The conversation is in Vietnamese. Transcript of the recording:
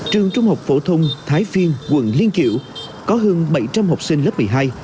trường trung học phổ thông thái phiên quận liên kiểu có hơn bảy trăm linh học sinh lớp một mươi hai